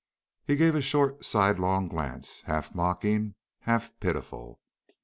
He gave her a short, side long glance, half mocking, half pitiful.